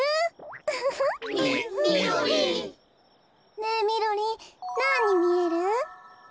ねえみろりんなんにみえる？